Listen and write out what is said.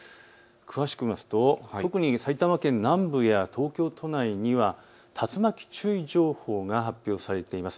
詳しく見ますと特に埼玉県南部や東京都内には竜巻注意情報が発表されています。